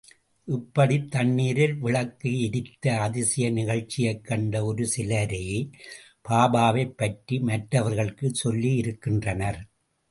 இப்படித் தண்ணீரில் விளக்கு எரித்த அதிசய நிகழ்ச்சியைக் கண்ட ஒரு சிலரே பாபாவைப் பற்றி மற்றவர்களுக்கு சொல்லியிருக்கின்றனர்.